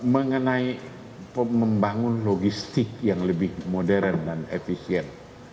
mengenai membangun logistik yang lebih modern dan efisien